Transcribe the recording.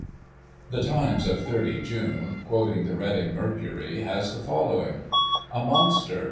The Times of 30 June, quoting the Reading Mercury, has the following :" A MONSTER.